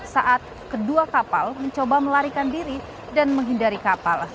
saat kedua kapal mencoba melarikan diri dan menghindari kapal